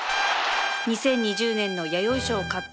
２０２０年の弥生賞を勝った